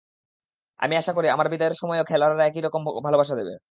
আমি আশা করি, আমার বিদায়ের সময়ও খেলোয়াড়েরা একই রকম ভালোবাসা দেবে।